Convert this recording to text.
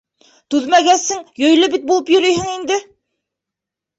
Түҙмәгәсең, йөйлө бит булып йөрөйһөң инде.